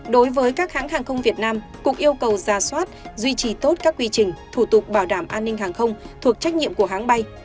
đối với các hãng hàng không việt nam cục yêu cầu ra soát duy trì tốt các quy trình thủ tục bảo đảm an ninh hàng không thuộc trách nhiệm của hãng bay